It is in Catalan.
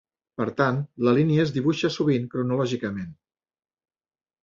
Per tant la línia es dibuixa sovint cronològicament.